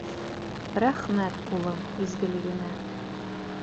— Рәхмәт, улым, изгелегеңә.